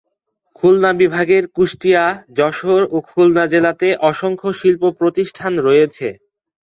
খুলনা বিভাগের কুষ্টিয়া, যশোর ও খুলনা জেলাতে অসংখ্য শিল্প প্রতিষ্ঠান রয়েছে।